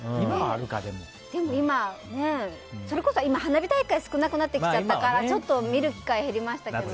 でも、今はそれこそ花火大会が少なくなってきちゃったからちょっと見る機会減りましたけどね。